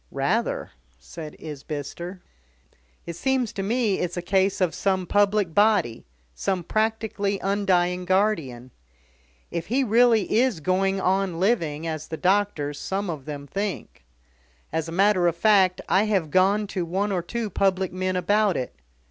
"Rather," said Isbister. "It seems to me it's a case of some public body, some practically undying guardian. If he really is going on living as the doctors, some of them, think. As a matter of fact, I have gone to one or two public men about it.